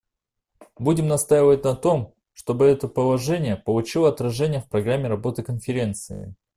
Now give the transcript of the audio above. Будем настаивать на том, чтобы это положение получило отражение в программе работы Конференции.